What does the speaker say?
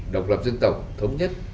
độc lập dân tộc thống nhất